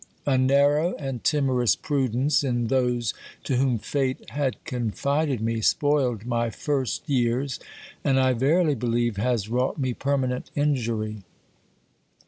A narrow and timorous prudence in those to whom fate had confided me, spoiled my first years, and, I verily believe, has wrought me permanent injury.